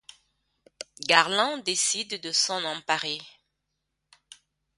Garland décide de s'en emparer.